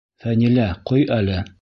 Фәнилә, ҡой әле!